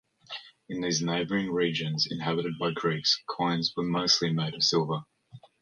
In these neighbouring regions, inhabited by Greeks, coins were mostly made of silver.